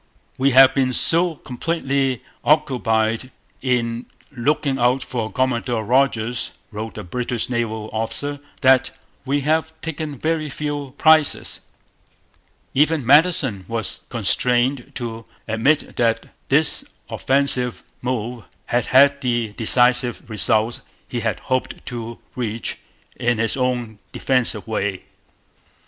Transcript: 'We have been so completely occupied in looking out for Commodore Rodgers,' wrote a British naval officer, 'that we have taken very few prizes.' Even Madison was constrained to admit that this offensive move had had the defensive results he had hoped to reach in his own 'defensive' way.